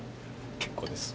結構です。